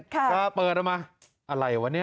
จะเปิดออกมาอะไรวะเนี่ย